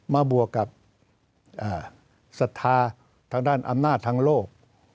บวกกับศรัทธาทางด้านอำนาจทางโลก